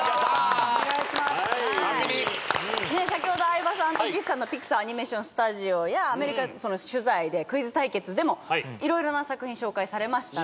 先ほど相葉さんと岸さんのピクサー・アニメーション・スタジオやアメリカ取材でクイズ対決でも色々な作品紹介されましたが。